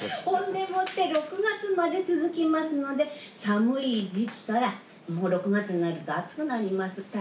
ほんでもって６月まで続きますので寒い時期からもう６月になると暑くなります。